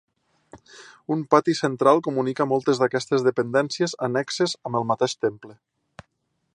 Un pati central comunica moltes d'aquestes dependències annexes amb el mateix temple.